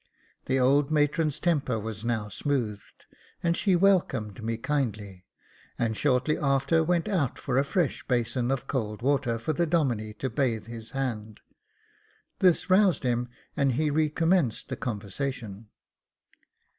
The old matron's temper was now smoothed, and she welcomed me kindly, and shortly after went out for a fresh basin of cold water for the Domine to bathe his hand. This roused him, and he recommenced the conversation.